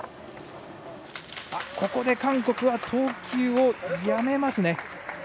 ここで韓国が投球をやめます。